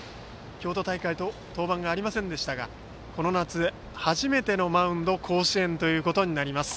京都大会では登板がありませんでしたがこの夏初めてのマウンドが甲子園となります。